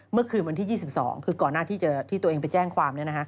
เมื่อคืนวันที่๒๒คือก่อนหน้าที่ตัวเองไปแจ้งความ